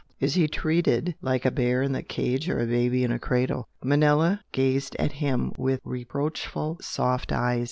Is he treated like a bear in a cage or a baby in a cradle?" Manella gazed at him with reproachful soft eyes.